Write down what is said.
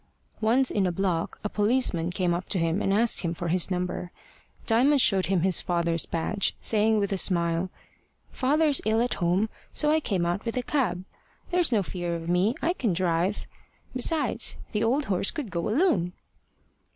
Once, in a block, a policeman came up to him, and asked him for his number. Diamond showed him his father's badge, saying with a smile: "Father's ill at home, and so I came out with the cab. There's no fear of me. I can drive. Besides, the old horse could go alone."